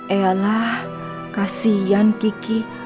elah kasihan kiki